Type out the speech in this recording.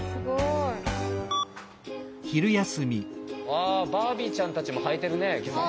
わバービーちゃんたちも履いてるね義足。